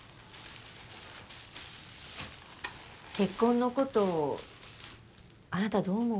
結婚のことあなたどう思う？